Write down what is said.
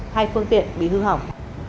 hai phương tiện bị hư hỏng